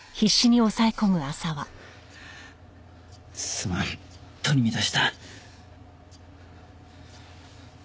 すまん取り乱した。